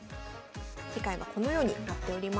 次回はこのようになっております。